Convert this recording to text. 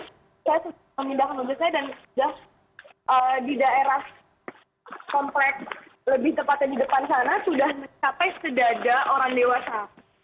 saya sudah memindahkan mobil saya dan sudah di daerah kompleks lebih tepatnya di depan sana sudah mencapai sedada orang dewasa